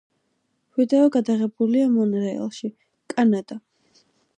ვიდეო გადაღებულია მონრეალში, კანადა.